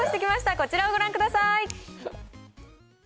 こちらをご覧ください。